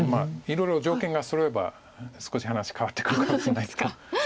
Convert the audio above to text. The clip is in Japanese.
いろいろ条件がそろえば少し話変わってくるかもしれないですが。